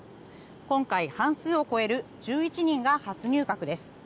今回、半数を超える１１人が初入閣です。